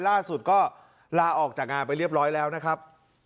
ล่าสุดก็ลาออกจากงานไปเรียบร้อยแล้วนะครับ